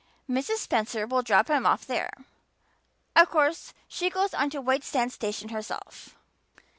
Mrs. Spencer will drop him off there. Of course she goes on to White Sands station herself."